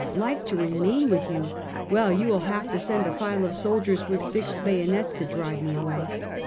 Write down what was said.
" Like to remain with you? "Well, you will have to send a file of soldiers with fixed bayonets to drive me away."